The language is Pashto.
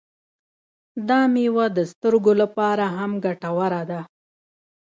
دا میوه د سترګو لپاره هم ګټوره ده.